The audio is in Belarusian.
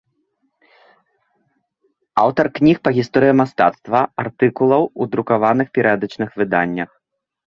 Аўтар кніг па гісторыі мастацтва, артыкулаў ў друкаваных перыядычных выданнях.